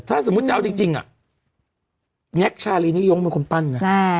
ถ้าสมมุติเอาจริงนิ๊กชาลีรีนี่ยงเป็นคนปั้นนะ